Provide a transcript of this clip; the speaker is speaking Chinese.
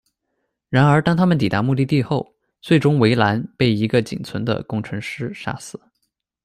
然而当他们抵达目的地后，最终韦兰被一个仅存的工程师杀死。